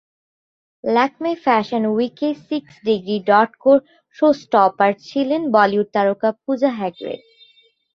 Lakme fashion উইকে six degree dot core show stopper ছিলেন বলিউড তারকা পূজা হেগড়ে